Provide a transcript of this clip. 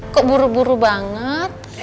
kok buru buru banget